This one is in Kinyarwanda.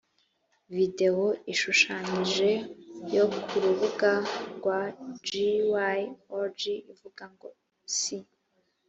videwo ishushanyije yo ku rubuga rwa jw org ivuga ngo si